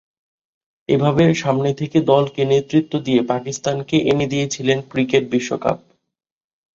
এভাবে সামনে থেকে দলকে নেতৃত্ব দিয়ে পাকিস্তানকে এনে দিয়েছিলেন ক্রিকেট বিশ্বকাপ।